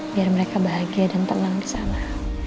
biar mereka bahagia dan tenang di sana